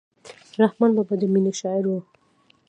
رحمان بابا د مینې شاعر و.